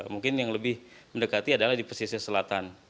mungkin yang lebih mendekati adalah di pesisir selatan